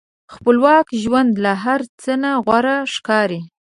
خپلواک ژوند له هر څه نه غوره ښکاري.